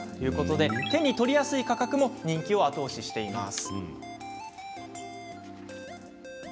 手に取りやすい価格も人気を後押ししています。